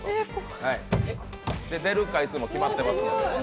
出る回数も決まってますので。